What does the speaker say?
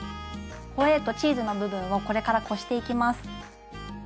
ホエーとチーズの部分をこれからこしていきます。